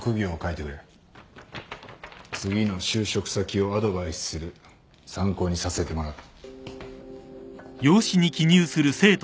次の就職先をアドバイスする参考にさせてもらう。